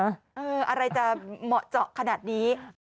อะไรจะเหมาะเจาะขนาดนี้